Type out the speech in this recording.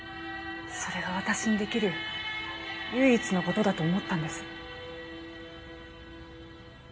それが私にできる唯一の事だと思ったんです。